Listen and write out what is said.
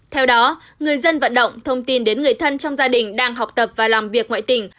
theo đó người dân vận động thông tin đến người thân trong gia đình đang học tập và làm việc ngoại tỉnh